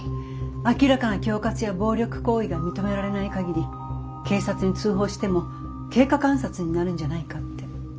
明らかな恐喝や暴力行為が認められない限り警察に通報しても経過観察になるんじゃないかって。